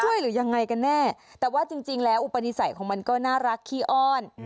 หรือยังไงกันแน่แต่ว่าจริงแล้วอุปนิสัยของมันก็น่ารักขี้อ้อน